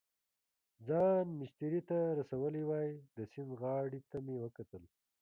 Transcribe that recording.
ځان مېسترې ته رسولی وای، د سیند غاړې ته مې وکتل.